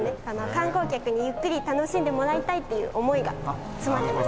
観光客にゆっくり楽しんでもらいたいという思いが詰まってます。